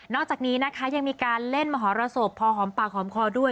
อกจากนี้นะคะยังมีการเล่นมหรสบพอหอมปากหอมคอด้วย